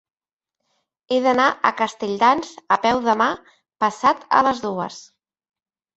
He d'anar a Castelldans a peu demà passat a les dues.